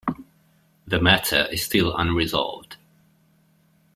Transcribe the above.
The matter is still unresolved.